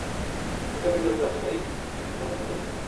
একটা মেয়ে জড়িত আছে তাই, এটা বড় না করলেই হয়।